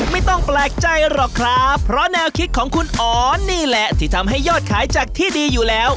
ไม่ต้องแปลกใจหรอกครับเพราะแนวคิดของคุณอ๋อนี่แหละที่ทำให้ยอดขายจากที่ดีอยู่แล้ว